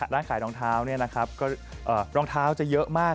ร้านขายรองเท้า